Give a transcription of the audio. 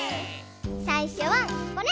さいしょはこれ。